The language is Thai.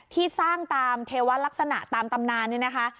ที่สร้างตามเทวะลักษณะตามตำนานนี่นะคะ